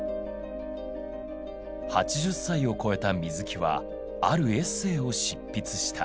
８０歳を越えた水木はあるエッセイを執筆した。